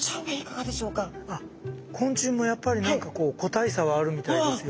あっ昆虫もやっぱり何か個体差はあるみたいですよ。